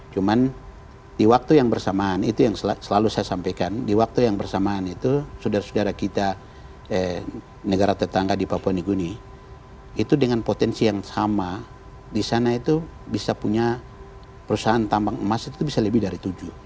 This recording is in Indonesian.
cuman di waktu yang bersamaan itu yang selalu saya sampaikan di waktu yang bersamaan itu saudara saudara kita negara tetangga di papua niguni itu dengan potensi yang sama di sana itu bisa punya perusahaan tambang emas itu bisa lebih dari tujuh